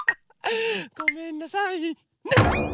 ごめんなさいね！